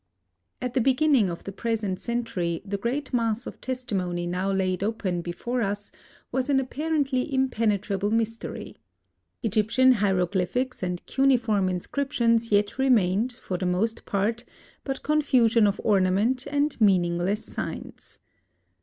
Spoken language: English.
At the beginning of the present century the great mass of testimony now laid open before us was an apparently impenetrable mystery. Egyptian hieroglyphics and cuneiform inscriptions yet remained, for the most part, but confusion of ornament and meaningless signs.